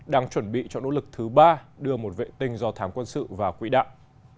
đang chuẩn bị cho nỗ lực thứ ba đưa một vệ tinh do thám quân sự vào quỹ đạo